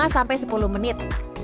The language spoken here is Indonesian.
lima sampai sepuluh menit